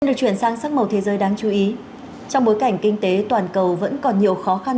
xin được chuyển sang sắc màu thế giới đáng chú ý trong bối cảnh kinh tế toàn cầu vẫn còn nhiều khó khăn